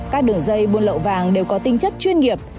các đường dây buôn lậu vàng đều có tinh chất chuyên nghiệp